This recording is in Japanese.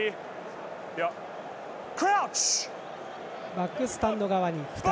バックスタンド側に２人。